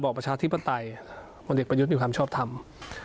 โมเดชน์ประยุทธ์มีความชอบทำ